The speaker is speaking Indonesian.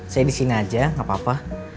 saya disini aja gapapa